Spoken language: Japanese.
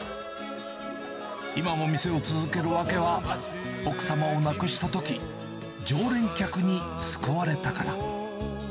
今も店を続ける訳は、奥様を亡くしたとき、常連客に救われたから。